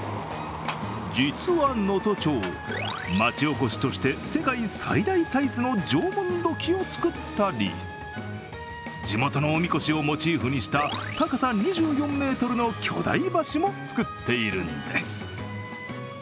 実は能登町、町おこしとして世界最大サイズの縄文土器を作ったり地元のおみこしをモチーフにした高さ２４ｍの巨大橋もつくっているんです。